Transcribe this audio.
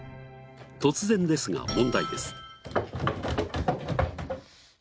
突然ですが問題です。